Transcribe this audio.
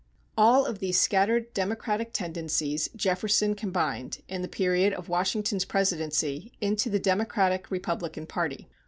All of these scattered democratic tendencies Jefferson combined, in the period of Washington's presidency, into the Democratic Republican party.